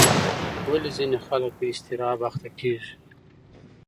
ولې ځینې خلک په اضطراب اخته کېږي؟